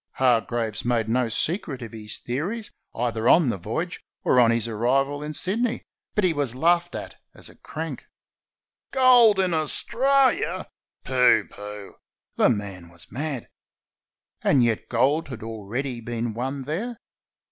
Hargraves made no secret of his theories either on the voyage or on his arrival in Sydney, but he was laughed at as a crank. "Gold in Australia! Pooh, pooh!" The man was mad. And yet gold had already been won there.